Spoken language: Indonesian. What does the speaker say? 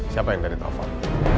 siapa yang tadi telepon